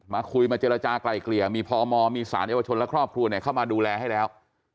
คุยมาเจรจากลายเกลี่ยมีพมมีสารเยาวชนและครอบครัวเข้ามาดูแลให้แล้ว